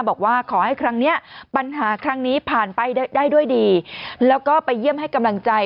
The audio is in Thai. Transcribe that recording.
บอกว่าขอให้ครั้งนี้ปัญหาครั้งนี้ผ่านไปได้ด้วยดีแล้วก็ไปเยี่ยมให้กำลังใจ